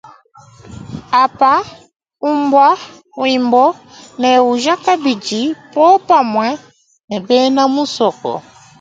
Apa, ubwa wimbo ne uja kabidi popamwe we bena musoko.